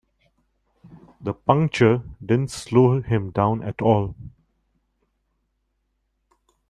The puncture didn't slow him down at all.